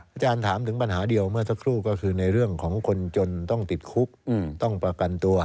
อาจารย์ถามถึงปัญหาเดียวเมื่อสักครู่ก็คือในเรื่องของคนจนต้องติดคุกต้องประกันตัว